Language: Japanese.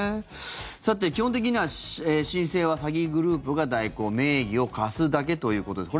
さて、基本的には申請は詐欺グループが代行名義を貸すだけということです。